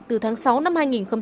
từ tháng sáu năm hai nghìn hai mươi